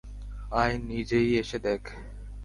আয় নিজেই এসে দেখ!